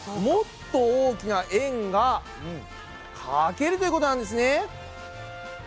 もっと大きな円がかけるということなんですね。